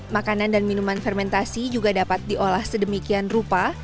makanan dan minuman fermentasi juga dapat diolah sedemikian rupa